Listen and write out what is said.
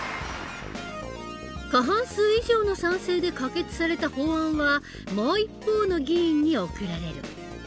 過半数以上の賛成で可決された法案はもう一方の議員に送られる。